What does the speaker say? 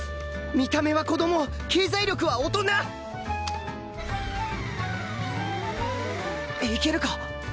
見た目は子供経済力は大人！いけるか？